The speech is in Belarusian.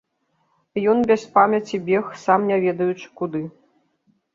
Ён без памяці бег, сам не ведаючы куды.